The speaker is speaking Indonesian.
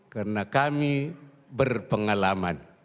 karena kami berpengalaman